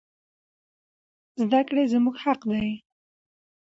زدکړي زموږ حق دي